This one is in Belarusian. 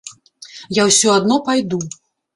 Я ўсё адно пайду.